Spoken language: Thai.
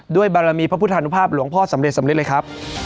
บารมีพระพุทธานุภาพหลวงพ่อสำเร็จสำริดเลยครับ